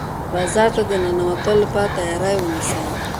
بازار ته د ننوتلو لپاره تیاری ونیسه.